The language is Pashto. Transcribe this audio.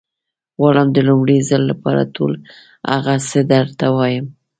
غواړم د لومړي ځل لپاره ټول هغه څه درته ووايم.